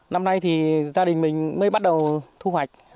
năm nay thì gia đình mình mới bắt đầu thu hoạch